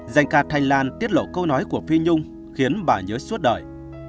danh ca thành lan tiết lộ câu nói của phi nhung khiến bà nhớ suốt đời